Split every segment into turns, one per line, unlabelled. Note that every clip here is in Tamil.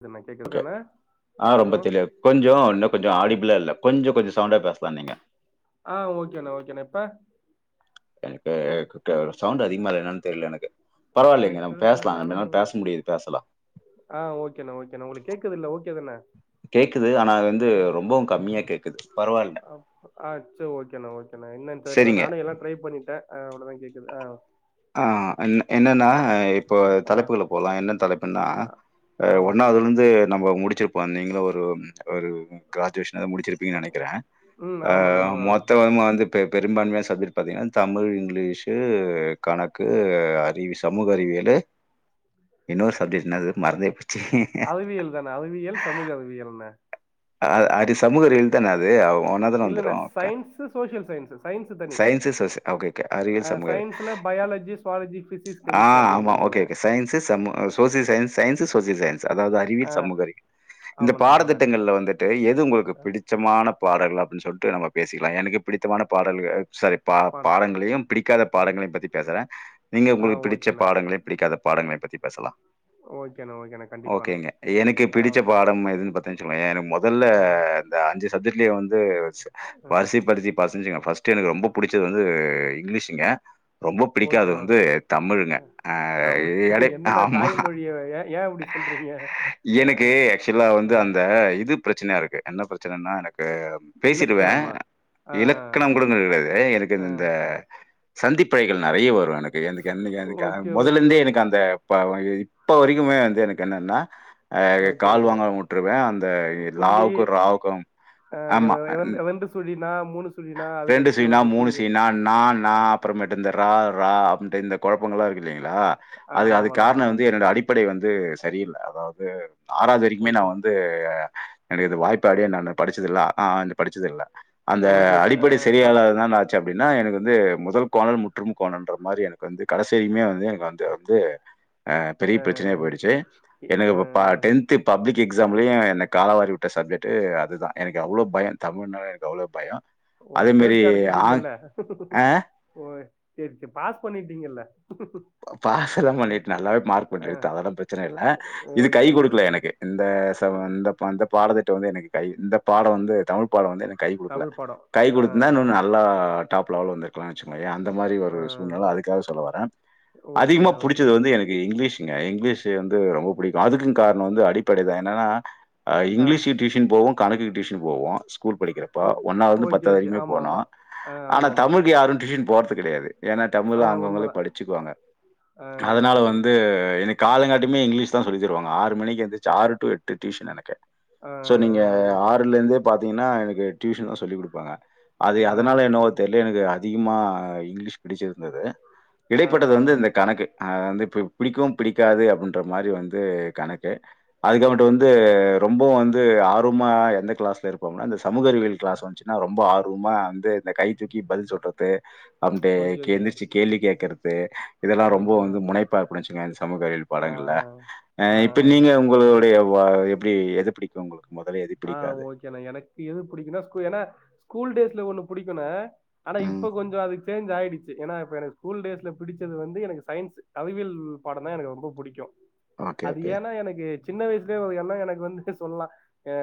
இதுண்ணா
ஓகே
கேக்குதுதான
ஆ
ஆடியோ
ரொம்பத் தெளிவா கொஞ்சோம் இன்னும் கொஞ்சோம் ஆடிபிளா இல்ல கொஞ்சோ கொஞ்சொம் சவுண்டாப் பேசலாம் நீங்க
ஆ ஓகே அண்ணா ஓகே அண்ணா இப்ப
எனக்கு கு சவுண்ட் அதிகமா இல்ல என்னனு தெர்ல எனக்கு
எனக்கு
பரவாயில்லைங்க நம்ம
தெர்லண்ணா
பேசலா
நானு
ரெண்டு நாள் பேச முடியுது பேசலா
ஆ ஓகேண்ணா ஓகேண்ணா உங்களுக்கு கேக்குதுல்ல ஓகேதான
கேக்குது. ஆனா அது வந்து ரொம்பவும் கம்மியா கேக்குது. பரவால்ல.
அ செரி ஓகேண்ணா ஓகே என்னன்னு தெரியல
சரிங்க.
நானும் எல்லா ட்டிரை பண்ணிட்ட அவ்வளோதா கேக்குது
ஆ என்னன்னா
ஆ
இப்போ தலைப்புகுள்ள போலா என்ன தலைப் ப்புனா
ஆ ஆ ஓகேண்ணா
ஒன்னாவதுலருந்து நம்ம முடிச்சிருப்ப ஓ நீங்களா ஒரு ஒரு கிராஜுவேஷனாவது முடிச்சிரு ப்பிங்கனு நெனைக்கற
ம் ஆமாண்ணா மு
மொத்தமா வந்து இப்ப பெரும்பான்மையான சப்ஜெக்ட் பாத்திங்கன்னா தமிழ் இங்கிலீஷீ கணக்கு அறிவி சமூக அறிவியலு இன்னொரு சப்ஜெக்ட் இன்னாது மறந்தே போச்சு
அறிவியல் அறிவியல் சமூக அறிவியல் ன
அ அ அரி சமூக அறிவியல்தான அது ஒன்னா தான வந்துரு
இல்லண்ண சயின்ஸ் சோசியல் சயின்ஸ் சயின்ஸ் தனி
சயின்சு சோசிய
ஆ
அறிவியல் சமூக அறிவியல்
சயின்ஸ்ல பயாலஜி சுவாலஜி பிசிக்ஸ்
ஆ
கெமிஸ்ட்ரி அப்டி
ஆமா
வந்துருண்ண
ஓகே ஓகே சயின்ஸ் சு சமூக social science science social science அதாவது அறிவியல்
ஆ
சமூக அறிவியல் இந்த
ஆமாண்ணா
பாடத்திட்டங்கள் ல வந்து தெட்டு எது உங்களுக்கு
ஆமாண்ணா
பிடிச்சமானப் பாடல் அப்டின் சொல்ட்டு நம்ம பேசிகிலா எனக்கு பிடித்தமான பாடல்கள் சாரிப் பா பாடங்களயும் பிடிக்காத
ஆ
பாடங்களயும் பத்தி பேசற நீங்க
ஆ
உங்களுக்கு பிடிச்ச
ஓகேண்ணே
பாடங்களயுப் பிடிக்காத பாடங்களயும் பத்தி பேசலா
ஓகேண்ணே ஓகேண்ணே கண்டிப்பாண்ணே
ஓகேங்க எனக்கு
ஆ
பிடிச்ச
ஓகே
பாடம் எதுனு பாத்தனு வெச்சுகோங்ளே எனுகு மொ இல்ல
ஆ
இந்த அஞ்சு சப்ஜெக்ட்லியு வந்து ச்சே
ம்
வரிசிப்படுத்திப் பசிஞ்சுகுங்க ஃபஸ்ட்டு எனக்கு புடிச்சது வந்து இங்கிலிஷுங்க ரொம்ப பிடிக்காது
ஓகேண்ணா
வந்து தமிழுங்க அ
தமிழ்
எடைக்
என்னண்ணா
ஆமா
தாய்மொழிய ஏ ஏ இப்டி சொல்றீங்க ஆ
எனக்கே
ஆ
ஆக்சுவலா வந்து
ஆ
அந்த இதுப் பிரச்சனயாருக்கு என்ன பிரச்சனன்னா எனக்கு பேசிடுவே
இலக்கணமா ஆ ஆ
இலக்கணம் கூட [unintelligible] ஏ
ஆ
எனக்குனு இந்த சந்திப்பிழைகள் நெறைய வரு எனக்கு எந்துக் என்னைகு எனுக்கு அ
ஓகே ஓகே
மொதல்லந்தே
ஓகே
எனக்கு அந்தப்ப அவெ இ இப் இப்ப வரிக்குமே வந்து எனக்கு என்னன்னா அ
ஓகே
கால்
ஓகே
வாங்காம வுட்ருவே அந்த இட்
புள்ளி
லாவுக்கு ராவுக்குங்
ஆ இவ
ஆமா
இவன்
ன்
ரெண்டு சுழினா மூனு சுழினா அதுக்கடுத்து ஓகே புரிது
னா ணா அப்பறமேட்டு இந்த ரா றா அப்டின்டு இந்த கொழப்பங்கள்லா இருக்கு இல்லைங்கிளா
ஆ
அது அதுக்
ஆமாண்ணா
காரணோ
ஆமாண்ணா
வந்து என்னோட அடிப்படை வந்து சரியில்ல அதாவுது ஆறாவுது வரிக்குமே நா
ஓகே
வந் து எனக்கு இது வாய்ப்பாடே நானு படிச்சதுல்ல அ ஆ ஆனு படிச்சதுல்ல இந்த
ஓகே த ஆ
அடிப்படை
த
செரியால்லாததானாத் ச்சு அப்டினா எனகு வந்து முதல் கோணல் முற்றும் கோணல்ன்ற மாரி எனக்கு வந்து கடைசி வரியுமே வந்து எனகு வந்து வந்து அ பெரிய
ஆ
பிரச்சனயாய் போயிடுச்சு
இ
எனக்கு இப்ப பா
ஆ
டென்த் த்து பப்ளிக் எக்ஸாம்லியு என என்ன காலவாரி வுட்ட சப்ஜெக்ட்டு அதுதா எனக்கு அவ்ளோ பயோன் தமிழ்னாலே எனக்கு அவ்ளோப் பயோ
ஓகே தேர்ச்சி அடஞ்சிட்டிங்கில்ல
ஆ
ஓ சேர் சேர் பாஸ் பண்ணிட்டீங்கில்ல
பாஸ் எல்லாம் பண்ணிட்ட நல்லாவே மார்க் மட்டு எடுத்தே அதெல்லாம் பிரச்சன இல்ல இது கை
ஓகேண்ணா
குடுக்கல
ஓகேண்ணா
எனக்கு இந்த சா
ஓ
இந்தப்ப இந்த பாடதிட்ட வந்து எனக்கு கை இந்தப் பாடோ வந்து தமிழ்ப் பாடோ வந்து எனக் கை குடுக்ல
தமிழ் படம்
கை
ஆ
குடுத்துந்தா இன்னு நல் நல்லா டாப் லெவல்ல வந்துருக்லா வெச்சுகோயே அந்த மாரி
ஆ
ஒரு சூழ்நெல அதுக்காக சொல்ல வரே அதிகமா
ஓகேண்ணா
புடிச்சது
ஓகேண்ணா
வந்து எனக் இ இங்கிலீஷுங்க இங்கிலீஷு வந்து ரொம்ப புடிக்கு அதுக்குங் காரணோ வந்து அடிப்படைதா என்னனா அ
ஆ
இங்கிலீஷி டியூஷன் போவோ கணக்குகு டியூஷன் போவோ கூல் படிக்கிறப்போ
ஓ
ஒன்னாவ்துலந்து
ஓகே
பத்தாவ்து
ஓகே
வரைக்குமே
ஆமா
போனோ
ஆமா ஆ
ஆனா
ஆமா ஆமா
தமிழுக்கு யாரு டியூஷன் போற்து கெடையாது எனா தமிழ்
ஆ
அவுங்கவுங்களே
உண்மதான்
படிச்சுக்வாங்க
ஆ
அதனால
ஓ
வந்து எனுக் காலங்காட்டிமே இங்கிலீஷ்தா சொல்லி தருவாங்க ஆறு மணிக்கி எந்துர்ந்துச்சு ஆறு டூ எட்டு ட்யூஷன் எனக்கு
அ
தோ நீங்க ஆறுலருந்தே பாத்தீங்ன்னா எனக்கு ட்யூஷன்லா சொல்லி குடுப்பாங்க அதி
ஆ
அதனால
ஓகே
என்னவோ
ஓகே
தெர்ல எனகு அதிகமா இங்கிகிலீஷ் பிடிச்சிருந்தது
ஆ
இடைப்பட்டது வந்து இந்த கணக்கு ஆ வந்து இப்ப பிடிக்கும் பிடிக்காது அப்டின்ற மாரி வந்து கணக்கு அதுக்கமேட்டு
ஓகே
வந்து
ஓகே
ரொம்பவு வந்து ஆர்வுமா எந்தக் கிளாஸ்ல இருப்போம்னா இந்த சமூக அறிவியல் கிளாஸ் வந்ச்சுனா ரொம்ப ஆர்வுமா இந்தேத் இந்த கை தூக்கி பதில் சொல்றது அம்டே
ஓகே ஓகே
கேந்திரிச்சுக் கேள்வி கேக்கறத் தே இதெல்லா ரொம்ப
ஓகேண்ணா
வந்து முனைப்பாப்டே வெச்சுங்கே இந்த சமூக அறிவியல்
ஆ
பாடங்கள்ல அ
ஆ ஆ
இப்ப
ஆ
நீங்க உங்களுடைய வாவ் எப்டி எது பிடிக்கு உங்குளுக்கு
ஆ ஓகேண்ணா எனக்கு எது புடிக்குனா ஸ்கூ எனா ஸ்கூல் டேஸ்ல ஒன்னு புடிக்குணே ஆனா
ம்.
இப்ப கொஞ்சோ அதுக் சேஞ்ச் ஆயிடுச்சி எனா இப்ப எனகு ஸ்கூல் டேஸ்ல பிடிச்சது வந்து எனக்கு சயின்ஸு கவிவியல் பாடந்தா எனகு ரொம்போ புடிக்கு
ஓகே,
அது
ஓகே.
ஏன்னா எனகு சின்ன வயசுலே ஒரு எண்ணோ எனக்கு வந்துட்டு சொல்லா ஏ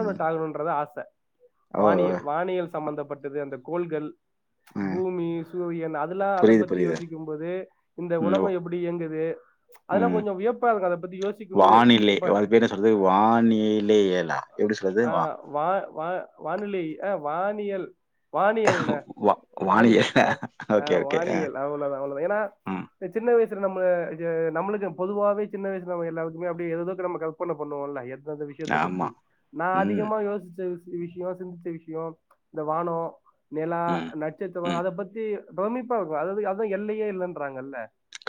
ம்.
ஆகணும்ன்றத்தா ஆச
ஓ! ஓ!
வானியல் வானியல் சம்பந்தப்பட்டது அந்த கோள்கள்
ம்.
பூமி சூரியன் அதுல்லா அத
புரியுது,
பத்தி
புரியுது.
யோசிக்கும்போது இந்த
ம். ஓ!
உலககோ எப்புடி இயங்குது அதல்லா
ம்.
கொஞ்ச வியப்பா இருக்கு அத பத்தி யோசிக்கும்போது எப்ப
அர்து வானிலேயேலா
அ வா வா வானிலை அ வானியல் வானியல்ண்ணா
வா
வானியல்
வானியலா?
அவ அ
ஓகே, ஓகே. அ.
வானியல் அவ்ளோதா அவ்ளோதா ஏனா
ம்.
த சின்ன வய்சுல நம்ம ஏ நம்ளுக்கு பொதுவாவே சின்ன வய்சுல நம்முக் எல்லாருக்குமே அப்டி எதேதோக்கு நம்ம கவ் பன்ன பண்ணுவோல்ல எந்தந்த விஷ் ஷியத்த
ஆமா.
பத்தி நா
ம்.
அதிகமா யோசிச்ச விசி விஷியோ சிந்திச்ச விஷியோ இந்த வானோ நெலா
ம்,
நட்சத்திரோ
ம்.
அத பத்தி பிரமிப்பா இருக்கு அதது அதா எல்லையே இல்லன்றாங்கல்ல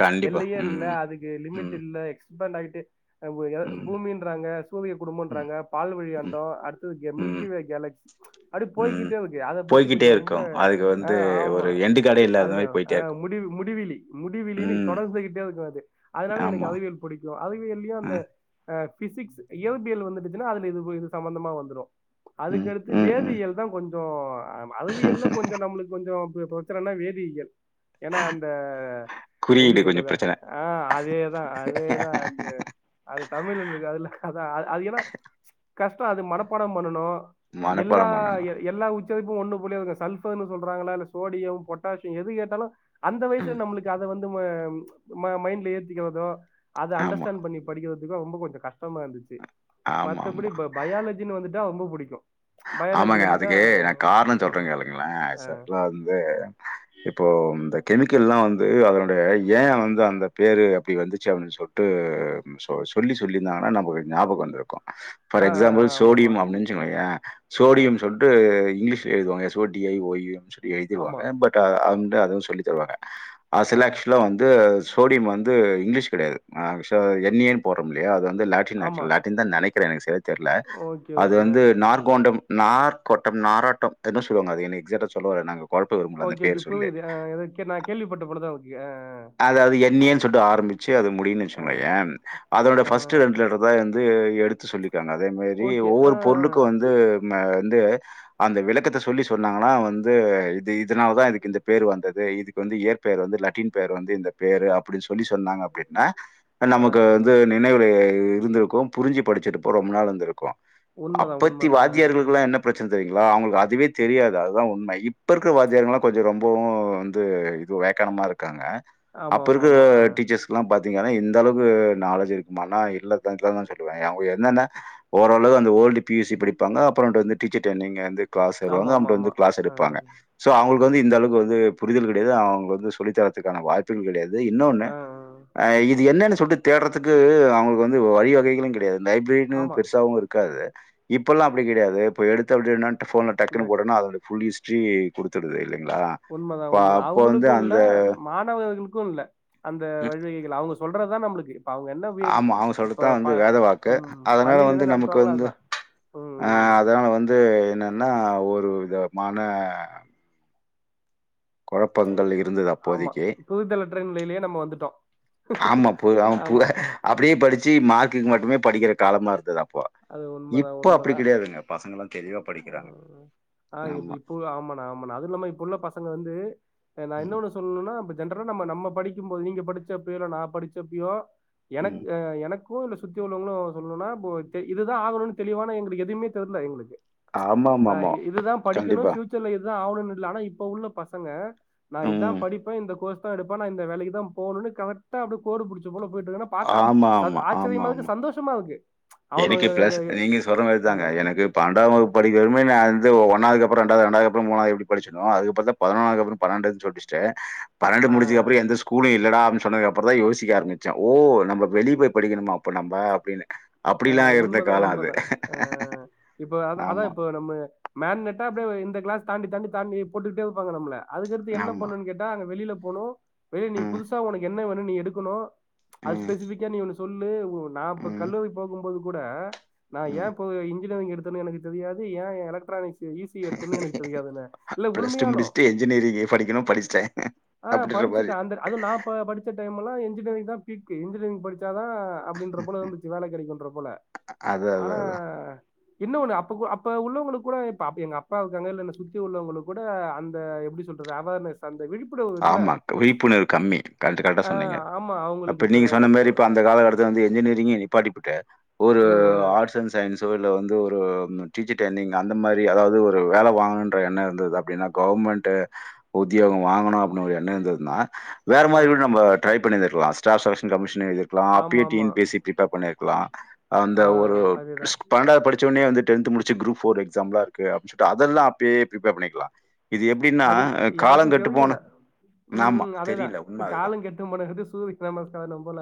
கண்டிப்பா.
எல்லையே இல்ல
ம்,
அதுக்கு லிமிட்
ம்,
இல்ல எக்ஸ்பண்ட் ஆயிட்டு அ உ எத
ம்,
பூமின் ட்றாங்க சூரிய
ம்,
குடும்பம்ன்றாங்க பால்
ம்,
வழியண்டோ அடுத்ததுகெ
ம்,
மில்கிவே கேலக்ஸ் அப்டி போய்க்கிட்டே
ம்.
இருக்கு அத பத்தி
போய்க்கிட்டே
கொஞ்சோ ரொம்ப
இருக்கும். அதுக்கு
அ
வந்து
ஆம்மா
ஒரு எண்டு கார்டே இல்லாத
அதுதா
மாரி
அ
போயிட்டே இருக்கும்.
முடிவு முடிவிலி முடிவிலினு
ம்.
தொடர்ந்துகிட்டே இருக்கு அது அதனால எனக்கு
ஆமா.
அறிவியல் புடிக்கு அறிவியல்லியு அந்த
ம்,
அ பிசிக்ஸு இயல்பியல் வந்துச்சுன்னா அதுல இதுவு இது சம்பந்தமா வந்துரு
ம்,
அதுக்கடுத்து
ம், ம்.
வேதியியல்தா கொஞ்சோ அறிவியல்னா கொஞ்சோ நம்ளுக்கு கொஞ்சோ [unintelligible] ச்சனனா வேதியியல் ஏன்னா அந்த எப்டி
குறியீடு கொஞ்சம்
சொல்றத
பிரச்சனை.
அ அதேதா அதேதா அந்த அது தமிழ்னு இருக்காதுல்ல கதா அது ஏன்னா கஷ்டோ அது மனப்பாட பண்ணனு எல்லா
மனப்பாடம் பண்ணணும்.
எ எல்லா உச் [unintelligible] ஒன்னு புலியாதுங்க சல்பர்னு சொல்றாங்களா அதுல சோடியம் பொட்டாஷி எது கேட்டாலு அந்த வய்சுல
ம்.
நம்ளுக்கு அத வந்து ம ம மைண்ட்ல ஏத்திக்கிறதோ அத
ஆமா,
அண்டர்ஸ்டாண்ட் பண்ணி படிக்கிறதுக்கு ரொம்ப கொஞ்ச கஷ்ட்டமா இருந்துச்சு மத்தபடி
ஆமாமா.
ப பயாலஜின்னு வந்துட்டா ரொம்ப புடிக்கு பயாலஜி
ஆமாங்க
வந்துட்டா
அதுக்கு நா கார்ணோ சொல்ற
ம்.
கேளுங்ளே அ சரிலா வந்து இப்போ இந்த கெமிக்கல்லா வந்து அதனுடைய ஏ வந்து அந்த பேரு அப்டி வந்துச்சு அப்டின் சொல் டு சொ சொல்லி சொல்லிர்ந்தாங்கனா நம்மளுக் ஞாபகம் வந்துருக்கோ for
ah ah ah
example
ஆமா ஆமா
சோடியம் அப்டின் சொல்லுங்க
ஆ
சோடியம் சொல்ட்டு இங்லீஷ் எழுதுவாங்க S O D I O U M சொல்லி
ஆமா
எழுதிருவாங்க பட் ட அந்த அது சொல்லி தருவாங்க
ஆ
ஆசைல ஆக்சுவலா வந்து சோடியம் வந்து இங்கிலீஷ் கெடையாது ஆங்ஷோ என் ஏ ன் போறோம் இல்லையா அது வந்து லேட் சின்னா
ஆமா
சில்லாட்டின் தா நெனைக்கிறே எனக்கு சரியா தெர்ல
ஓகே
அது
ஓகே ஆ
வந்து நார் கோண்டம் நார்கோட்டம் நாரோட்டம் என்ன சொல்லுவாங்க அது என்க் எக்ஸாக்ட்டா சொல்ல வரல நாங்க கொழப்ப விரும்பல அந்த
ஓகே
பேர் சொல்லி
புரியுது ஆ எதோ ஓகே நா கேள்விப்பட்ட பொண்ணுதா ஓகே ஆ ஆ
அதுவது என் ஏன் சொல்ட்டு ஆரம்பிச்சு அது முடியுன்
ஆ ஆ
வச்சுக்கோங்களே என் அதோட
ஆ
ஃபஸ்ட்டு ரெண்டு லெட்டர் அதாய் வந்து எ எடுத்து சொல்லிக்காங்க அதேமாரி
ஓகே ஆ
ஒவ்வொரு பொருளுக்கு வந்து நா வந்து அந்த விளக்கத்த சொல்லி சொன்னாங்கன்னா வந்து து இதுனால தா இதுக்கு இந்த பேர் வந்தது இதுக்கு வந்து இயற்பெயர் வந்து லட்டின் பேர் வந்து இந்த பேரு அப்புடின் சொல்லி சொன்னாங்க அப்புடின்னா அ
ஆ
நமக்கு
ஆ
வந்
ஆ
து நினைவுல இருந்துருக்கு புரிஞ்சு படிச்சிருப்போ ரொம்ப நாள் இந்துருக்கு
உண்மதா
அப்பத்தி
உண்மதா
வாத்தியார்களுக்குலா என்னப் பிரச்சன தெரிய்ங்ளா அவ்ங்களுக்கு அதுவே தெரியாது அதுதா உண்ம இப்ப இருக்குற வாத்தியாருங்ளா கொஞ்ச ரொம்பவு து அது வேக்கானமா இருக்காங்க
ஆமா
அப்ப
ஆமா
இருக்குற
ஆமா ஆ
டீச்சர்ஸ் பாத்திகானா இந்தளவ்க்கு நாலேஜ் இருக்குமானா இல்லதங்க்ல தா சொல்லுவ யாவு என்னன்னா ஓரோல் உள்ளது அந்த ஓல்டு பியூசி படிப்பாங்க அப்புறண்ட்டு வந்து டீச்சர் ட்ரெயினிங் க்ளாஸ்
ஆமா
சேருவாங்க
ஆமா
அம்ட்டு
ஆமா
வந்து க்ளாஸ்
ஆ
எடுப்பாங்க சோ அவுங்குள்க்கு வந்து இந்த அளவுக்கு வந்து புரிதல் கடையாது அவ்ங்க வந்து சொல்லி தரறதுக்கான வாய்ப் துல் கடையாது இன்னொன்னு
ஆ ஆ.
அ இது என்னன்னு சொல்ட்டு தேட்றதுக்கு அவுங்குளுக்கு வந்து வழிவகை ஈலிங் கடையாது லைப்ரரினு
ஆமா
பெருசாவு இருக்காது இப்பல்லா அப்டி கெடியாது இப்ப எடுத்த அப்டி என்னான் ட ஃபோன்ல டக்குனு
நக்
போட்டனா அதோட ஃபுல் ஹிஸ்டரி குடுத்துடுது இல்லைங்ளா
உண்மதா உண்மதா அவுங்குளுக்கு இல்ல மாத் நாவு இருக்குல்ல அந்த வழிவகைகள் அவுங்க சொல்றதா நம்மளுக்கு இப்ப அவங்க என்ன பி எடு
ஆமா. அவங்க
இப்ப
சொல்றது தான்
ப
வந்து வேத வாக்கு.
ம் பள்ளீலேலா நடத்துவாங்கள்ள அதா ம்
ஆ
ம்
அதனால வந்து என்னன்னா ஒருவிதமான கொழப்பங்கள் இருந்தது
ஆமா
அப்போதிக்கே
புதுதலற்ற நிலையிலயே நம்ம வந்துட்டோ
ஆம அப்பு ஆமபு
ஆமா
அப்டியே படுச்சு மார்க்குக்கு மட்டுமே படிக்கிற காலமா இருந்தது அப்போ
அது உண்மதா
இப்ப அப்டி
உண்மதா
கெடையாதுங்க பசங்கல்லா தெளிவா படிக்கிறாங்க ஆமா
ஆமா நா அது இல்லாம இப்ப உள்ள பசங்க வந்து நா
ம்,
இன்னோன்னு சொல்ணுனா இப்ப ஜென்ரலா நம்ம நம்ம படிக்கும் போது நீங்க படுச்ச அப்பயோ இல்ல நா படுச்ச அப்பயோ எனக்கு
ம்.
அ எனக் கோ இல்ல சுத்தி உள்ளவங்களு சொல்ணுனா போ தே இதுதா ஆகணுன் தெளிவானா எங்களுக்கு எதுமே தெர்ல எங்களுக்கு நா
ஆமாமாமா.
இதுதா படிக்கணு
கண்டிப்பா.
ஃபியூச்சர்ல இதுதா ஆகணுனு இல்ல ஆனா இப்ப உள்ள பசங்க நா இதா
ம்.
படிப்பே இந்த கோர்ஸ் தா எடுப்பே நா இந்த வேலைக்குதா போணுனு கரக்டா அப்டி கோடுபுடுச்ச போல போயிட்டு இருக்கனா பாக்க ச
ஆமாமா,
ஆச்சரியமா
ஆமாமா.
இருக்கு சந்தோஷமா இருக்கு
எனக்கு பிளஸ்
அவனு
நீங்க சொல்ற மாரி தாங்க எனக்கு பன்னன்டாம் வகுப்பு ப படிக்க வரும் போது நா வந்து ஒன்னாவதுக் அப்பறோ ரெண்டாவது ரெண்டாவதுக் அப்பறோ மூணாவது எப்டி படுச்சனோ அதுக்கப்பறந்தா பதனொன்னாவதுக் கப்பறோ பன்ன்ன்டுன் சொல்ட்டு ச்சே பன்னண்டு முடுச்சதுக்
ஆ
அப்பறோ எந்த ஸ் ஸ்கூலே இல்லடான் சொன்னதுக் அப்பறந்தா யோசிக்க ஆரம்முச்சோ ஓ நம்ம வெளிய போய் படிக்கணுமா அப்ப நம்ப அப்டின்னு
அ உண்மதா உண்மதா அ இப்ப அதா அதா
ஆமா,
இப்ப நம்ம மேக்னட்டா அப்டியே இந்த கிளாஸ் தாண்டி தாண்டி தாண்டி போட்டுக்கிட்டே இருப்பாங்க நம்மள அதுகடுத்து என்ன
ஆமா.
பண்ணன் கேட் டா அங்க வெளில போணு வெளிய நீ
ம்,
புதுசா ஒனக்கு என்ன வேணு நீ எடுக்கணு அது
ம்,
ஸ்பெசிபிக்கா நீ ஒண்ணு சொல்லு ஒ நா அப்ப
ம்,
கல்லூரி போகும்போது கூட நா ஏ
ம்.
இப்ப இன் இஞ்சினியரிங்க எடுத்தன் எனக்கு தெரியாது ஏ எலக்ட்ரானிக்ஸ் எ ஈசி எடுத்தன் எனக்கு தெரியாதுல இல்ல
பிளஸ்
உண்மையாலு
முடிச்சுட்டு என்ஜினியரிங் படிக்கணும் படிச்சுட்டேன்.
ஆ
அப்படின்ற மாரி.
படுச்சுட்டே அந்த ர அது நா ப படுச்ச டைமலா இன்ஜினியரிங் தா பீக்கு இன்ஜினியரிங் படுச்சா தா அப்டின்ற போல இருந்துச்சு வேலைக் சொல்ற போல
அதான்,
ஆனா
[inaudible]
என்ன ஒண்ணு அப்ப அப்ப உள்ளவங்களுக்கு கூட இப்ப அப் எங்க அப்பா இருக்காங்க என்ன சுத்தி உள்ளவங்களுக்கு கூட அந்த எப்டி சொல் ஒரு ஆவேர்னஸ்
ஆமா விழிப்புணர்வு கம்மி கரெக்ட்டு கரெக்டா
ஆ
சொன்னீங்க
ஆமா அவங்களுக்கு
அப்ப
இப்ப
நீங்க சொன்ன மாரி இப்ப அந்த காலகட்ட து வந்து என்ஜினியரிங்கே நிப்பாட்டிபுட்டு ஒரு
ம்
ஆர்ட்ஸ் அண்ட் சயின்ஸ்ஸோ இல்ல வந்து ஒரு டீச்சர் ட்ரயினிங் அந்த மாரி அதாவது ஒரு வேல வாங்கணுன்ற எண்ண இருந்தது அப்டின்னா கவர்மெண்ட் உத்தியோக வாங்கணு ஒரு எண்ண இருந்துதுன்னா வேற
ஆ
மாரி நம்ம ட்ரை பண்ணிருந்திருக்குலா ஸ்டாஃப் செலக்ஷன் கமிஷன் எது குலா
ஆமா
அப்பி டீ
ஆமா
என் பீ சி பிரிப்பேர் பண்ணியிருக்கலா அந்த
ஆ
ஒரு
அதேதா
பன்னெண்டாவது படிச்சவனே வந்து டென்த் முடி ச்சு குரூப் ஃபோர் எக்ஸாம்லா இருக்கு அப்டி சொல்ட்டு அதெல்லா அப்டியே ப்ரிப்பேர் பண்ணிக்கலா இது எப்டின்னா
அது
அ காலம்
யாருக்கு
கெட்டு போணு
தெரியல
ஆமா தெரில உண்ம அதுதா
கெட்டும் போன எடத்து ஷூ விக்கிற நமஸ்தானம் போல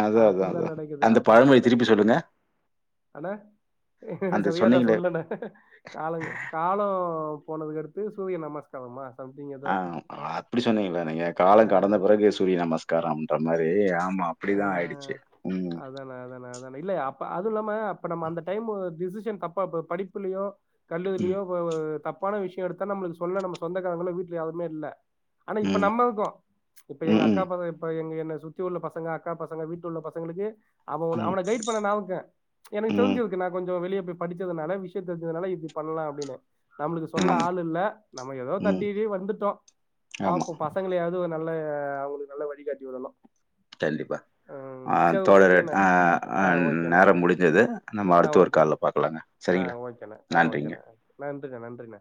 அதான், அதான்,
அப்டிதா
அதான்.
நடக்குது
அந்த
அப்டிதா
பழமொழி திருப்பி
நடக்குது
சொல்லுங்க.
அணே
அந்த
சரியா தா
சொன்னீங்களே,
சொல்லணே காலங்க காலோ போனதுக்கு அடுத்து சூரிய நமஸ் நமஸ்காரமா சம்திங்க
ஆ அ அப்டி சொன்னீங்களா நீங்க
ஆ
காலங் கடந்த பிறகு சூரிய நமஸ்காரம்ன்ற மாரி அ ஆமா அப்டிதா ஆயிடுச்சு ம்,
அதாணே அதாணே அதாணே இல்ல அப்ப அது இல்லாம அப்ப நம்ம அந்த டைம்மு டிசிஷன் தப்பாப்ப படிப்புலயோ
ம்,
கல்லூரிலயோ வ வ தப்பான விஷ்யோ எடுத்தா நம்மளுக்கு சொல்ல நம்ம சொந்தக்காரங்களு வீட்ல யாருமே இல்ல ஆனா இப்ப
ம்,
நம்மளுக்கு இப்ப எங்க அக்கா
ம்,
ப இப்ப எங்க என்ன சுத்தி உள்ள பசங்க அக்கா பசங்க வீட்டு உள்ள பசங் பசங்களுக்கு அவ ஒன
ம்,
அவன கைடு பண்ண நா இருக்கே எனக்கு
ம், ம்.
தெருஞ்சுரு நா கொஞ்சோ வெளிய போய் படிச்சதுனால விஷய தெரிஞ்சதுனால இப்ப பண்லா அப்டின்னு நம்ளுக்கு சொல்ல
ஆமா,
ஆள் இல்ல நம்ம ஏதோ
ம்,
தட்டுயேறி வந்துட்டோ
ஆமா.
பாப்போ பசங்களயாவது வ நல்ல அவங்களுக்கு நல்ல வழிகாட்டி விடனு
கண்டிப்பா ஆ தோழரே
ஓகேண்ணே.
ஆ ஆ நேரம் முடிஞ்சது நம்ம
ஆ
அடுத்த ஒரு
ஓகேண்ணே.
கால்ல பாக்கலாங்க
ஆ ஓகேண்ணா ஆ ஓகேண்ணா நன்றிண்ணா நன்றிண்ணா